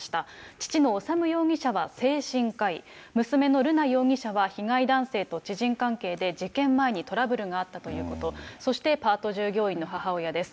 父の修容疑者は精神科医、娘の瑠奈容疑者は被害男性と知人関係で事件前にトラブルがあったということ、そしてパート従業員の母親です。